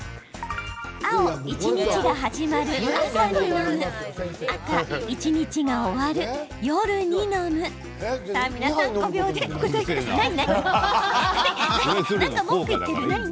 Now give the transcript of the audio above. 青・一日が始まる朝に飲む赤・一日が終わる夜に飲むさあ皆さん５秒でお答えください。